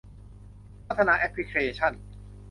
พัฒนาแอปพลิเคชัน